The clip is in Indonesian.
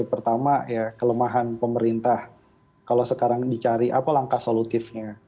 pertama ya kelemahan pemerintah kalau sekarang dicari apa langkah solutifnya